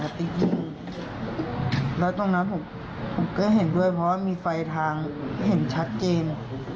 แล้วตรงนั้นผมก็เห็นด้วยเพราะว่ามีไฟทางเห็นชัดเจน